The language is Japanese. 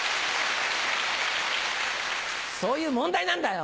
そういう問題なんだよ。